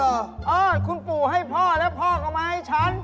เออคุณปู่ให้พ่อแล้วพ่อก็มาให้ฉัน